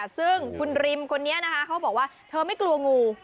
ซึ่งคุณริมคนนี้นะคะเขาบอกว่าเธอไม่กลัวงู